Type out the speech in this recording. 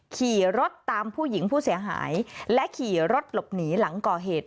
ขี่รถตามผู้หญิงผู้เสียหายและขี่รถหลบหนีหลังก่อเหตุ